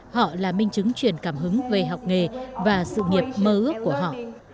họ là minh chứng truyền cảm hứng về học nghề và sự nghiệp mơ ước của họ